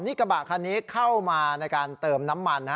นี่กระบะคันนี้เข้ามาในการเติมน้ำมัน